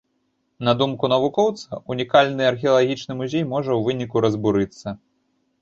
На думку навукоўца, унікальны археалагічны музей можа ў выніку разбурыцца.